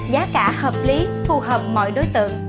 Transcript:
giá cả hợp lý phù hợp mọi đối tượng